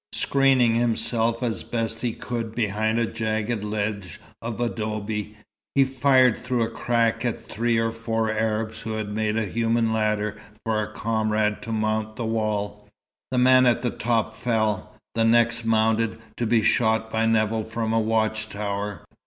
Screening himself as best he could behind a jagged ledge of adobe, he fired through a crack at three or four Arabs who made a human ladder for a comrade to mount the wall. The man at the top fell. The next mounted, to be shot by Nevill from a watch tower.